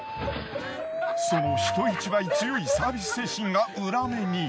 その人一倍強いサービス精神が裏目に。